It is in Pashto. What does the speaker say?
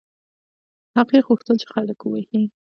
هغې غوښتل چې خلک ووهي.